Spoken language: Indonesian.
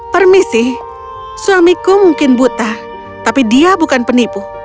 permisi suamiku mungkin buta tapi dia bukan penipu